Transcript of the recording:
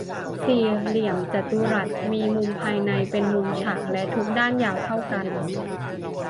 สี่เหลี่ยมจตุรัส มีมุมภายในเป็นมุมฉาก และทุกด้านยาวเท่ากัน